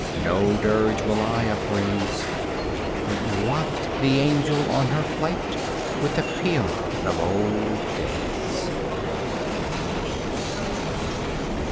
No dirge will I upraise, 25 But waft the angel on her flight with a Pæan of old days."